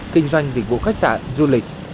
kinh doanh dịch vụ khách sạn du lịch